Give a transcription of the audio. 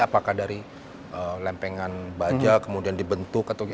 apakah dari lempengan baja kemudian dibentuk atau gitu